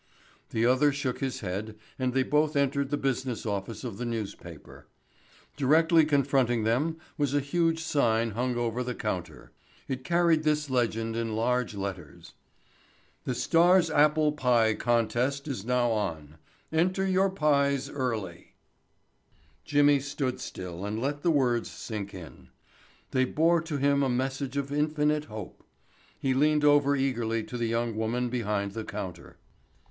The other shook his head and they both entered the business office of the newspaper. Directly confronting them was a huge sign hung over the counter. It carried this legend in large letters: THE STAR'S APPLE PIE CONTEST IS NOW ON ENTER YOUR PIES EARLY Jimmy stood still and let the words sink in. They bore to him a message of infinite hope. He leaned over eagerly to the young woman behind the counter.